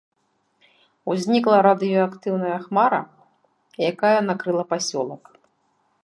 Узнікла радыеактыўная хмара, якая накрыла пасёлак.